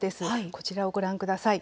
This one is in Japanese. こちらをご覧ください。